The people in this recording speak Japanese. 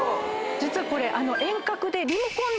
実はこれ。